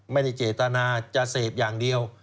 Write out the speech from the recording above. ไม่ได้เจตนาจะเสพอย่างเดียว